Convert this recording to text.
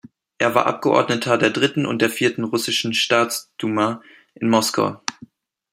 Er war Abgeordneter der dritten und der vierten russischen Staatsduma in Moskau.